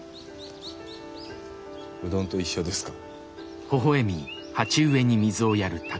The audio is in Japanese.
うどんと一緒ですか？